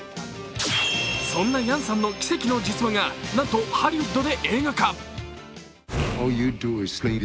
そんなヤンさんの奇跡の実話がなんとハリウッドで映画化。